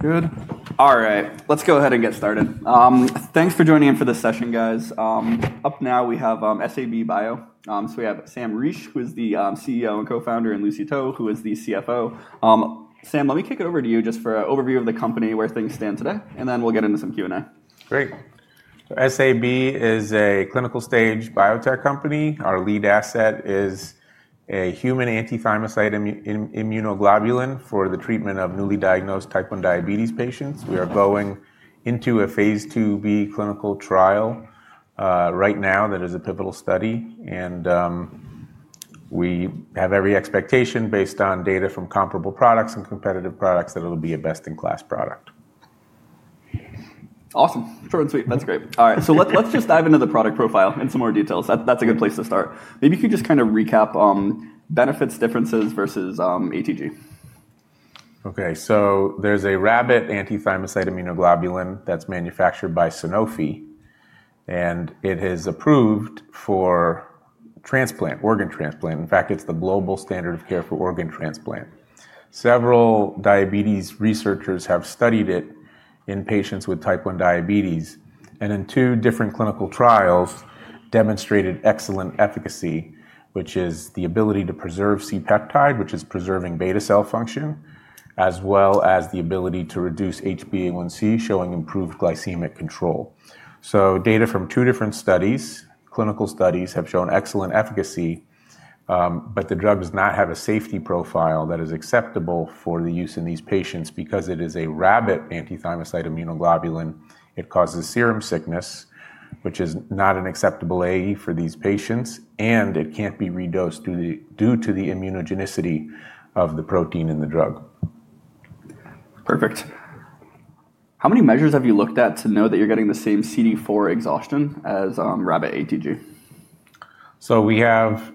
Good. All right. Let's go ahead and get started. Thanks for joining in for this session, guys. Up now we have SAB Bio. So we have Sam Reich, who is the CEO and co-founder, and Lucy To, who is the CFO. Sam, let me kick it over to you just for an overview of the company, where things stand today, and then we'll get into some Q&A. Great. SAB is a clinical-stage biotech company. Our lead asset is a human anti-thymocyte immunoglobulin for the treatment of newly diagnosed type 1 diabetes patients. We are going into a phase II-B clinical trial right now that is a pivotal study, and we have every expectation based on data from comparable products and competitive products that it'll be a best-in-class product. Awesome. Sure and sweet. That's great. All right, so let's just dive into the product profile and some more details. That's a good place to start. Maybe you could just kind of recap benefits, differences versus ATG. OK. So there's a rabbit anti-thymocyte globulin that's manufactured by Sanofi, and it is approved for organ transplant. In fact, it's the global standard of care for organ transplant. Several diabetes researchers have studied it in patients with type 1 diabetes, and in two different clinical trials, demonstrated excellent efficacy, which is the ability to preserve C-peptide, which is preserving beta cell function, as well as the ability to reduce HbA1c, showing improved glycemic control, so data from two different studies, clinical studies, have shown excellent efficacy, but the drug does not have a safety profile that is acceptable for the use in these patients because it is a rabbit anti-thymocyte globulin. It causes serum sickness, which is not an acceptable AE for these patients, and it can't be redosed due to the immunogenicity of the protein in the drug. Perfect. How many measures have you looked at to know that you're getting the same CD4 exhaustion as rabbit ATG? We have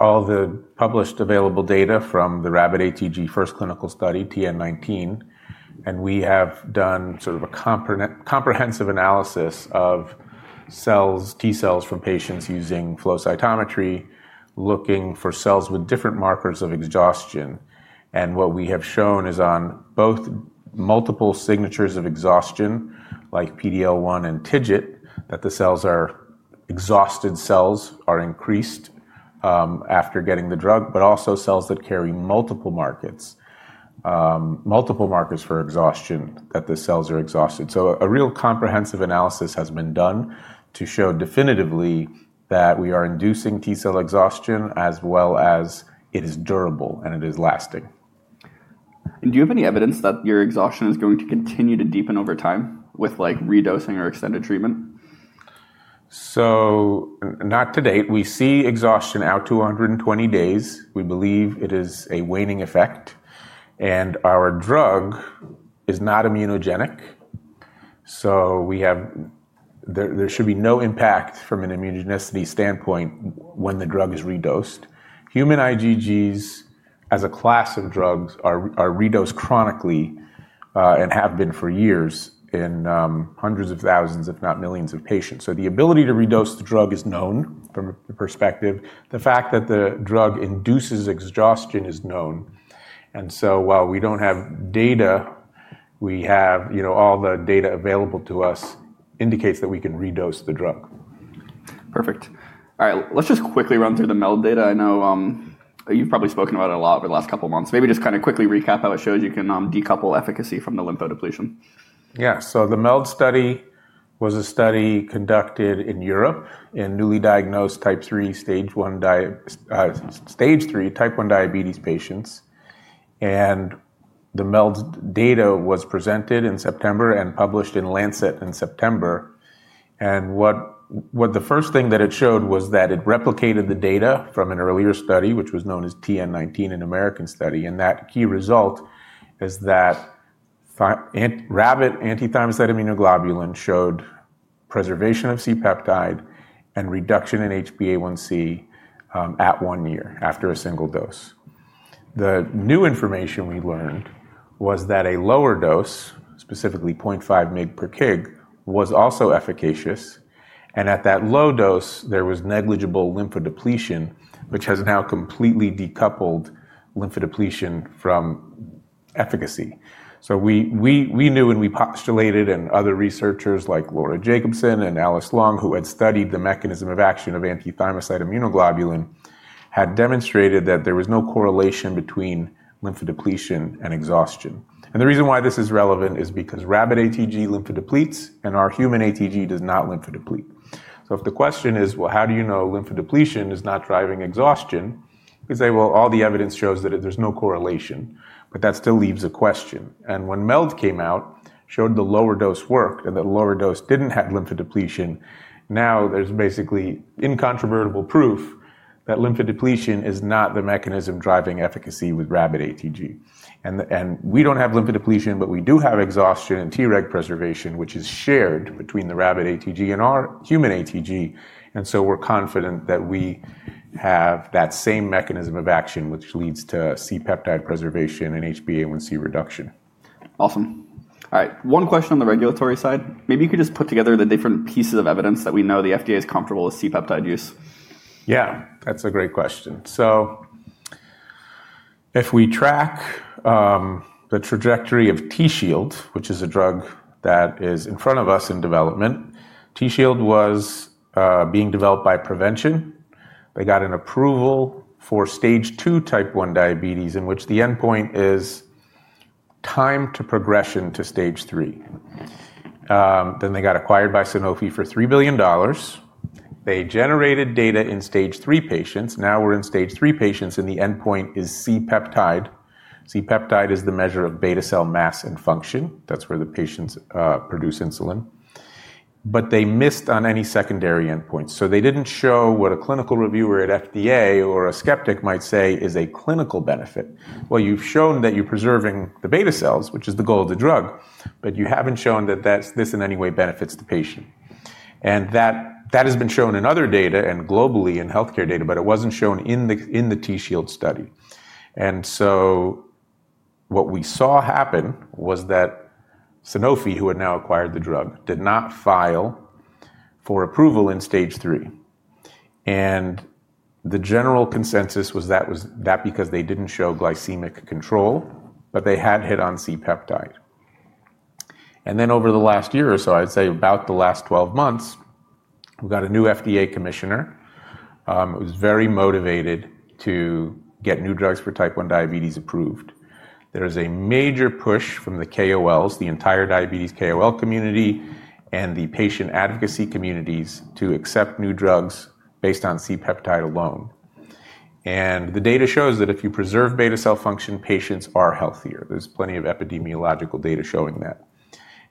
all the published available data from the rabbit ATG first clinical study, TN19. We have done sort of a comprehensive analysis of T cells from patients using flow cytometry, looking for cells with different markers of exhaustion. What we have shown is on both multiple signatures of exhaustion, like PD-L1 and TIGIT, that the exhausted cells are increased after getting the drug, but also cells that carry multiple markers for exhaustion, that the cells are exhausted. A real comprehensive analysis has been done to show definitively that we are inducing T cell exhaustion, as well as it is durable and it is lasting. Do you have any evidence that your exhaustion is going to continue to deepen over time with redosing or extended treatment? To date, we see exhaustion out to 120 days. We believe it is a waning effect. Our drug is not immunogenic. There should be no impact from an immunogenicity standpoint when the drug is redosed. Human IgGs, as a class of drugs, are redosed chronically and have been for years in hundreds of thousands, if not millions, of patients. The ability to redose the drug is known from the perspective. The fact that the drug induces exhaustion is known. While we don't have data, we have all the data available to us indicates that we can redose the drug. Perfect. All right. Let's just quickly run through the MELD data. I know you've probably spoken about it a lot over the last couple of months. Maybe just kind of quickly recap how it shows you can decouple efficacy from the lymphodepletion. Yeah. So the MELD study was a study conducted in Europe in newly diagnosed type 1, stage 3 type 1 diabetes patients. And the MELD data was presented in September and published in Lancet in September. And the first thing that it showed was that it replicated the data from an earlier study, which was known as TN19, an American study. And that key result is that rabbit anti-thymocyte immunoglobulin showed preservation of C-peptide and reduction in HbA1c at one year after a single dose. The new information we learned was that a lower dose, specifically 0.5 mg per kg, was also efficacious. And at that low dose, there was negligible lymphodepletion, which has now completely decoupled lymphodepletion from efficacy. We knew and we postulated, and other researchers like Laura Jacobsen and Alice Long, who had studied the mechanism of action of anti-thymocyte globulin, had demonstrated that there was no correlation between lymphodepletion and exhaustion. The reason why this is relevant is because rabbit ATG lymphodepletes, and our human ATG does not lymphodeplete. If the question is, well, how do you know lymphodepletion is not driving exhaustion? You could say, well, all the evidence shows that there's no correlation. That still leaves a question. When MELD came out, showed the lower dose worked, and that lower dose didn't have lymphodepletion. Now there's basically incontrovertible proof that lymphodepletion is not the mechanism driving efficacy with rabbit ATG. We don't have lymphodepletion, but we do have exhaustion and Treg preservation, which is shared between the rabbit ATG and our human ATG. And so we're confident that we have that same mechanism of action, which leads to C-peptide preservation and HbA1c reduction. Awesome. All right. One question on the regulatory side. Maybe you could just put together the different pieces of evidence that we know the FDA is comfortable with C-peptide use. Yeah. That's a great question. So if we track the trajectory of Tzield, which is a drug that is in front of us in development, Tzield was being developed by Provention. They got an approval for stage 2 type 1 diabetes, in which the endpoint is time to progression to stage 3. Then they got acquired by Sanofi for $3 billion. They generated data in stage 3 patients. Now we're in stage 3 patients, and the endpoint is C-peptide. C-peptide is the measure of beta cell mass and function. That's where the patients produce insulin. But they missed on any secondary endpoints. So they didn't show what a clinical reviewer at FDA or a skeptic might say is a clinical benefit. Well, you've shown that you're preserving the beta cells, which is the goal of the drug. But you haven't shown that this in any way benefits the patient. And that has been shown in other data and globally in health care data, but it wasn't shown in the Tzield study. And so what we saw happen was that Sanofi, who had now acquired the drug, did not file for approval in Stage 3. And the general consensus was that was that because they didn't show glycemic control, but they had hit on C-peptide. And then over the last year or so, I'd say about the last 12 months, we've got a new FDA commissioner. It was very motivated to get new drugs for type 1 diabetes approved. There is a major push from the KOLs, the entire diabetes KOL community, and the patient advocacy communities to accept new drugs based on C-peptide alone. And the data shows that if you preserve beta cell function, patients are healthier. There's plenty of epidemiological data showing that.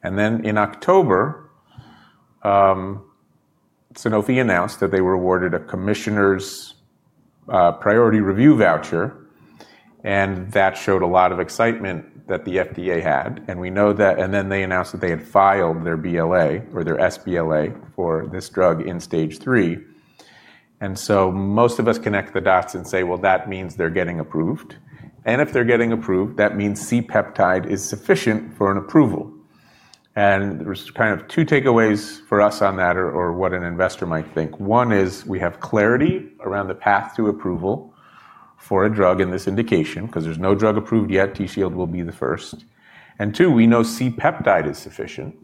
And then in October, Sanofi announced that they were awarded a Commissioner's Priority Review Voucher. And that showed a lot of excitement that the FDA had. And then they announced that they had filed their BLA for this drug in Stage 3. And so most of us connect the dots and say, well, that means they're getting approved. And if they're getting approved, that means C-peptide is sufficient for an approval. And there's kind of two takeaways for us on that, or what an investor might think. One is we have clarity around the path to approval for a drug in this indication, because there's no drug approved yet. Tzield will be the first. And two, we know C-peptide is sufficient.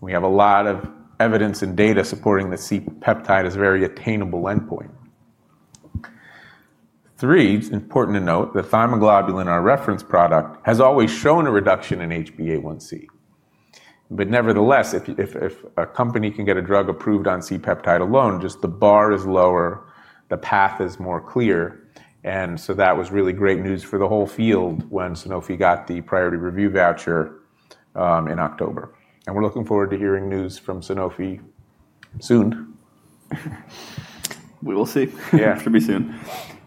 We have a lot of evidence and data supporting that C-peptide is a very attainable endpoint. Three, it's important to note that thymoglobulin, our reference product, has always shown a reduction in HbA1c. But nevertheless, if a company can get a drug approved on C-peptide alone, just the bar is lower, the path is more clear. And so that was really great news for the whole field when Sanofi got the priority review voucher in October. And we're looking forward to hearing news from Sanofi soon. We will see. It should be soon.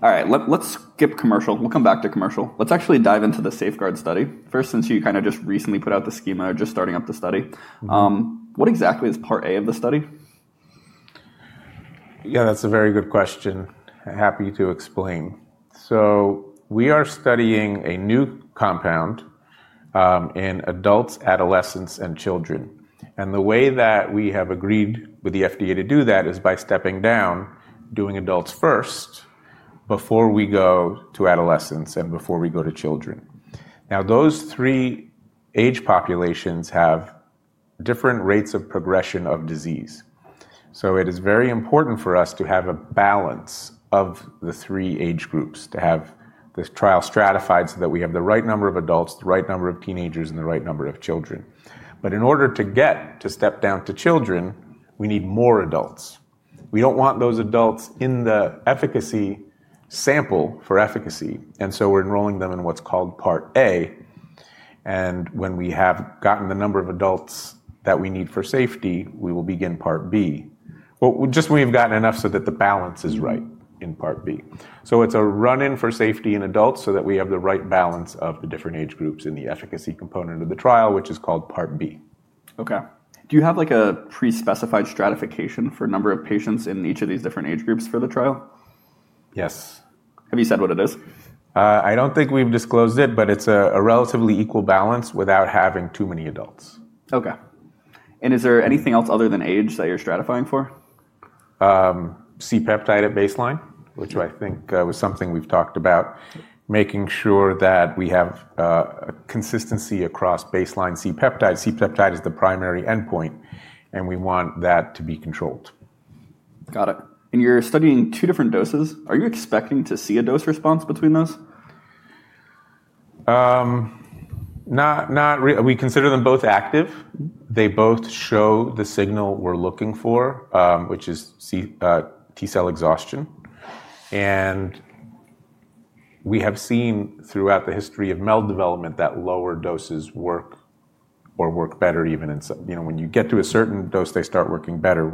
All right. Let's skip commercial. We'll come back to commercial. Let's actually dive into the SAFEGUARD study. First, since you kind of just recently put out the schema, just starting up the study, what exactly is part A of the study? Yeah. That's a very good question. Happy to explain so we are studying a new compound in adults, adolescents, and children, and the way that we have agreed with the FDA to do that is by stepping down, doing adults first, before we go to adolescents and before we go to children. Now those three age populations have different rates of progression of disease, so it is very important for us to have a balance of the three age groups, to have this trial stratified so that we have the right number of adults, the right number of teenagers, and the right number of children, but in order to step down to children, we need more adults. We don't want those adults in the efficacy sample for efficacy, and so we're enrolling them in what's called part A. When we have gotten the number of adults that we need for safety, we will begin part B. Just we have gotten enough so that the balance is right in part B. It's a run-in for safety in adults so that we have the right balance of the different age groups in the efficacy component of the trial, which is called part B. OK. Do you have like a pre-specified stratification for a number of patients in each of these different age groups for the trial? Yes. Have you said what it is? I don't think we've disclosed it, but it's a relatively equal balance without having too many adults. OK. And is there anything else other than age that you're stratifying for? C-peptide at baseline, which I think was something we've talked about, making sure that we have consistency across baseline C-peptide. C-peptide is the primary endpoint, and we want that to be controlled. Got it. And you're studying two different doses. Are you expecting to see a dose response between those? We consider them both active. They both show the signal we're looking for, which is T cell exhaustion. We have seen throughout the history of MELD development that lower doses work or work better even when you get to a certain dose, they start working better.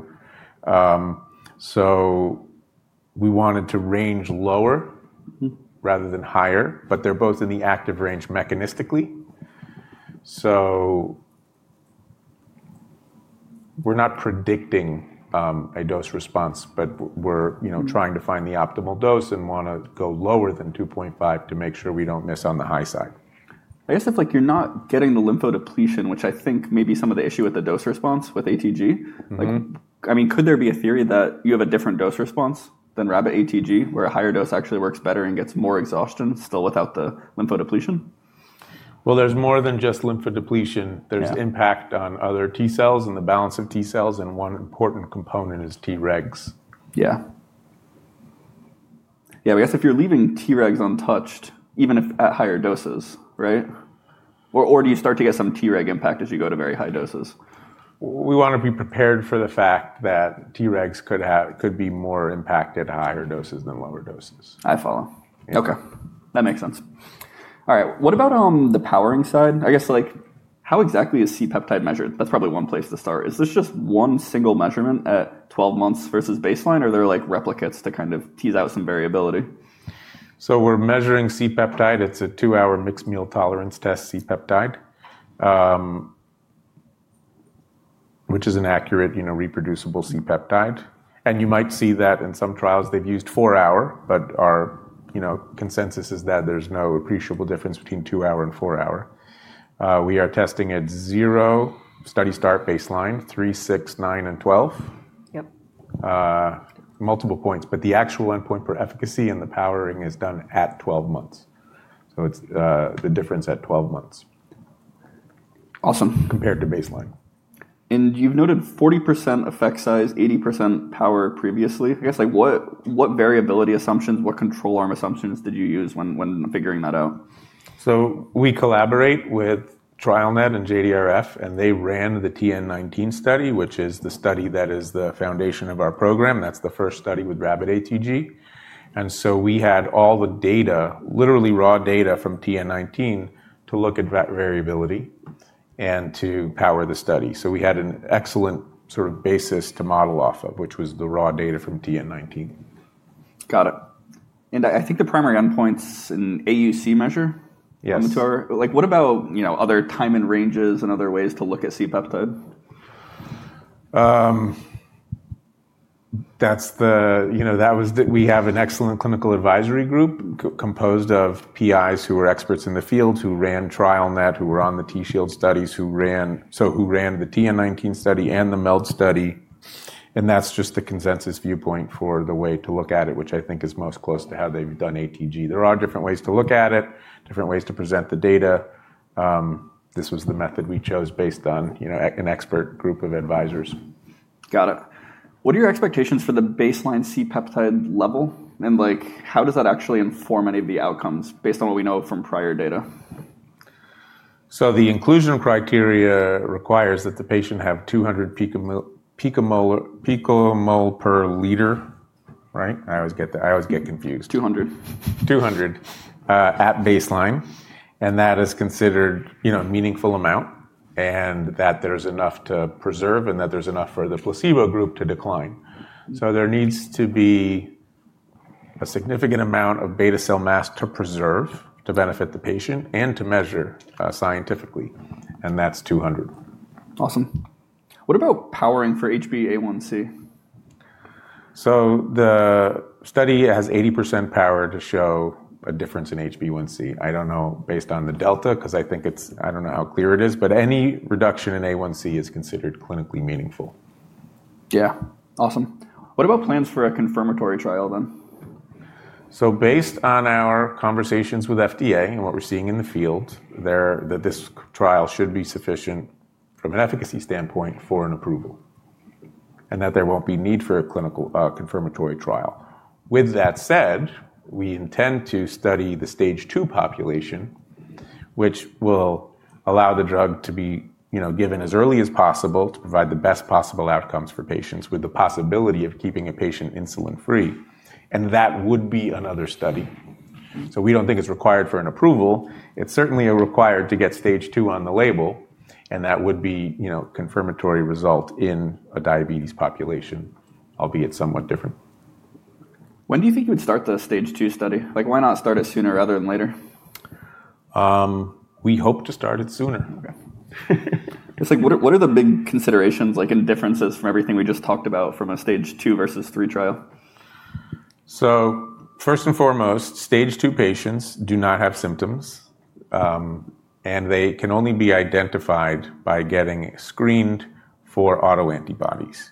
So we wanted to range lower rather than higher. But they're both in the active range mechanistically. So we're not predicting a dose response, but we're trying to find the optimal dose and want to go lower than 2.5 to make sure we don't miss on the high side. I guess it's like you're not getting the lymphodepletion, which I think may be some of the issue with the dose response with ATG. I mean, could there be a theory that you have a different dose response than rabbit ATG, where a higher dose actually works better and gets more exhaustion still without the lymphodepletion? There's more than just lymphodepletion. There's impact on other T cells and the balance of T cells. One important component is Tregs. Yeah. Yeah. I guess if you're leaving Tregs untouched, even if at higher doses, right? Or do you start to get some Treg impact as you go to very high doses? We want to be prepared for the fact that Tregs could be more impacted at higher doses than lower doses. I follow. OK. That makes sense. All right. What about the powering side? I guess how exactly is C-peptide measured? That's probably one place to start. Is this just one single measurement at 12 months versus baseline, or are there replicates to kind of tease out some variability? So we're measuring C-peptide. It's a two-hour mixed meal tolerance test C-peptide, which is an accurate, reproducible C-peptide. And you might see that in some trials they've used four-hour, but our consensus is that there's no appreciable difference between two-hour and four-hour. We are testing at zero study start baseline, 3, 6, 9, and 12. Multiple points. But the actual endpoint for efficacy and the powering is done at 12 months. So it's the difference at 12 months compared to baseline. And you've noted 40% effect size, 80% power previously. I guess what variability assumptions, what control arm assumptions did you use when figuring that out? We collaborate with TrialNet and JDRF. They ran the TN19 study, which is the study that is the foundation of our program. That's the first study with rabbit ATG. We had all the data, literally raw data from TN19, to look at variability and to power the study. We had an excellent sort of basis to model off of, which was the raw data from TN19. Got it. And I think the primary endpoints in AUC measure. Yes. What about other time points and ranges and other ways to look at C-peptide? That's why we have an excellent clinical advisory group composed of PIs who are experts in the field, who ran TrialNet, who were on the Tzield studies, so who ran the TN19 study and the MELD study. That's just the consensus viewpoint for the way to look at it, which I think is most close to how they've done ATG. There are different ways to look at it, different ways to present the data. This was the method we chose based on an expert group of advisors. Got it. What are your expectations for the baseline C-peptide level? And how does that actually inform any of the outcomes based on what we know from prior data? The inclusion criteria requires that the patient have 200 picomole per liter. Right? I always get confused. 200. 200 at baseline. And that is considered a meaningful amount, and that there's enough to preserve, and that there's enough for the placebo group to decline. So there needs to be a significant amount of beta cell mass to preserve to benefit the patient and to measure scientifically. And that's 200. Awesome. What about powering for HbA1c? The study has 80% power to show a difference in HbA1c. I don't know based on the delta, because I think I don't know how clear it is. Any reduction in HbA1c is considered clinically meaningful. Yeah. Awesome. What about plans for a confirmatory trial then? Based on our conversations with FDA and what we're seeing in the field, this trial should be sufficient from an efficacy standpoint for an approval, and that there won't be need for a clinical confirmatory trial. With that said, we intend to study the Stage 2 population, which will allow the drug to be given as early as possible to provide the best possible outcomes for patients with the possibility of keeping a patient insulin-free, and that would be another study. We don't think it's required for an approval. It's certainly required to get Stage 2 on the label, and that would be a confirmatory result in a diabetes population, albeit somewhat different. When do you think you would start the stage 2 study? Why not start it sooner rather than later? We hope to start it sooner. What are the big considerations and differences from everything we just talked about from a Stage 2 versus 3 trial? So first and foremost, Stage 2 patients do not have symptoms. And they can only be identified by getting screened for autoantibodies.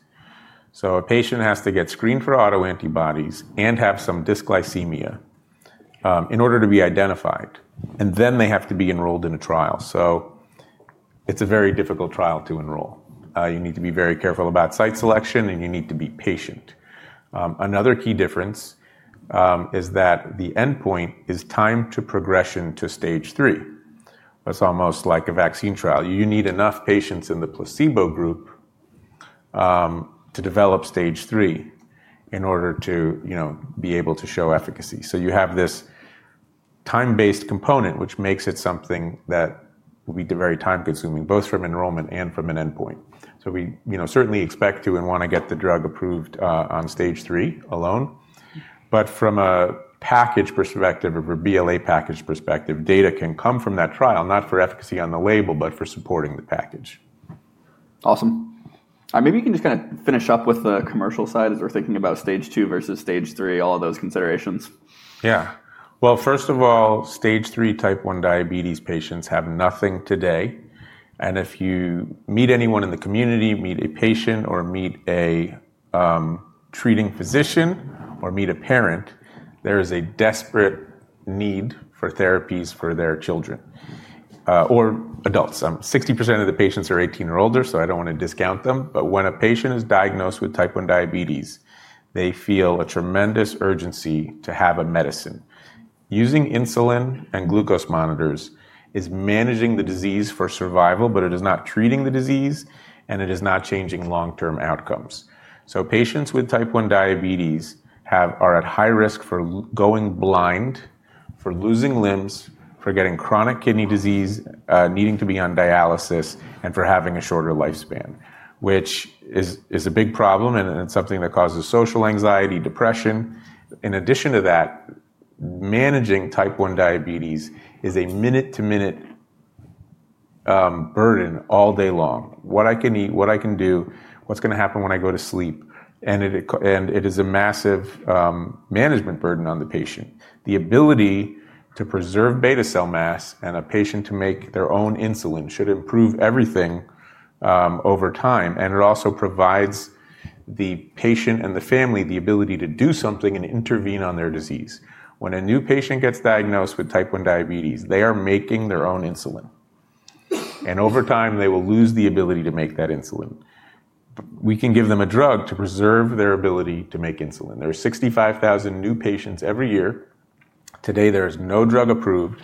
So a patient has to get screened for autoantibodies and have some dysglycemia in order to be identified. And then they have to be enrolled in a trial. So it's a very difficult trial to enroll. You need to be very careful about site selection, and you need to be patient. Another key difference is that the endpoint is time to progression to Stage 3. It's almost like a vaccine trial. You need enough patients in the placebo group to develop Stage 3 in order to be able to show efficacy. So you have this time-based component, which makes it something that will be very time-consuming, both from enrollment and from an endpoint. So we certainly expect to and want to get the drug approved on Stage 3 alone. But from a package perspective, a BLA package perspective, data can come from that trial, not for efficacy on the label, but for supporting the package. Awesome. Maybe you can just kind of finish up with the commercial side as we're thinking about stage 2 versus stage 3, all of those considerations. Yeah, well, first of all, Stage 3 Type 1 diabetes patients have nothing today, and if you meet anyone in the community, meet a patient, or meet a treating physician, or meet a parent, there is a desperate need for therapies for their children or adults. 60% of the patients are 18 or older, so I don't want to discount them, but when a patient is diagnosed with Type 1 diabetes, they feel a tremendous urgency to have a medicine. Using insulin and glucose monitors is managing the disease for survival, but it is not treating the disease, and it is not changing long-term outcomes, so patients with Type 1 diabetes are at high risk for going blind, for losing limbs, for getting chronic kidney disease, needing to be on dialysis, and for having a shorter lifespan, which is a big problem, and it's something that causes social anxiety, depression. In addition to that, managing type 1 diabetes is a minute-to-minute burden all day long—what I can eat, what I can do, what's going to happen when I go to sleep—and it is a massive management burden on the patient. The ability to preserve beta cell mass and a patient to make their own insulin should improve everything over time, and it also provides the patient and the family the ability to do something and intervene on their disease. When a new patient gets diagnosed with type 1 diabetes, they are making their own insulin, and over time, they will lose the ability to make that insulin. We can give them a drug to preserve their ability to make insulin. There are 65,000 new patients every year. Today, there is no drug approved.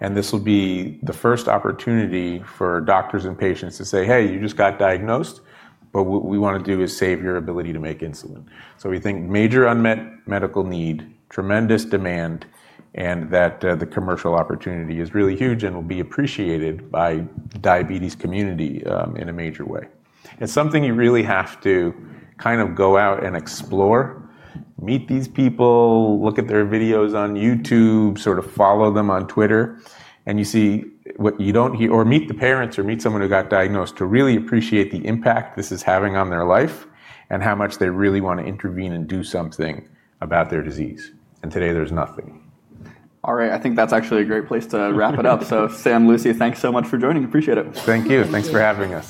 And this will be the first opportunity for doctors and patients to say, "Hey, you just got diagnosed. But what we want to do is save your ability to make insulin." So we think major unmet medical need, tremendous demand, and that the commercial opportunity is really huge and will be appreciated by the diabetes community in a major way. It's something you really have to kind of go out and explore, meet these people, look at their videos on YouTube, sort of follow them on Twitter. And you see what you don't hear, or meet the parents or meet someone who got diagnosed to really appreciate the impact this is having on their life and how much they really want to intervene and do something about their disease. And today, there's nothing. All right. I think that's actually a great place to wrap it up. So Sam, Lucy, thanks so much for joining. Appreciate it. Thank you. Thanks for having us.